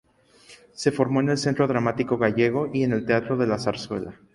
Se formó en el Centro Dramático Gallego y en el Teatro de la Zarzuela.